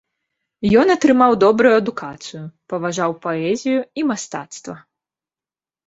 Ён атрымаў добрую адукацыю, паважаў паэзію і мастацтва.